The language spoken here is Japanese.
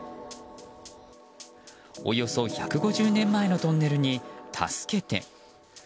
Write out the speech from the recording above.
およそ１５０年前のトンネルに「たすけて！」。